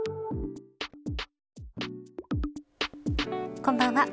こんばんは。